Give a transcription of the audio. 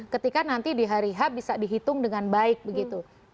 ketika nanti di hari h bisa dihitung dengan baik begitu